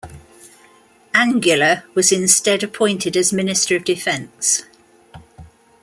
Angula was instead appointed as Minister of Defense.